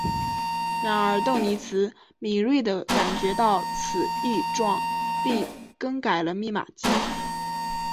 然而邓尼兹敏锐地感觉到此异状并更改了密码机。